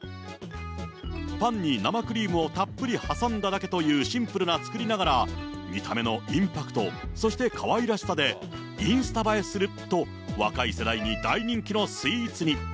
パンに生クリームをたっぷり挟んだだけというシンプルな作りながら、見た目のインパクト、そしてかわいらしさで、インスタ映えすると、若い世代に大人気のスイーツに。